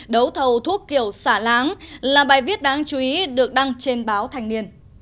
đấu thầu thuốc kiểu xả láng là bài viết đáng chú ý được đăng trên báo thành niên